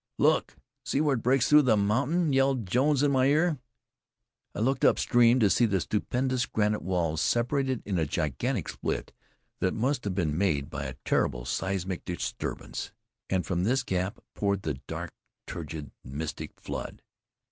"Look! See where it breaks through the mountain!" yelled Jones in my ear. I looked upstream to see the stupendous granite walls separated in a gigantic split that must have been made by a terrible seismic disturbance; and from this gap poured the dark, turgid, mystic flood.